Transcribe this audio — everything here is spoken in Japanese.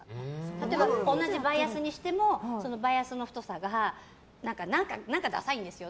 例えば、同じバイアスにしてもバイアスの太さが何かダサいんですよ。